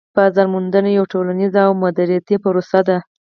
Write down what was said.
بازار موندنه یوه ټولنيزه او دمدریتی پروسه ده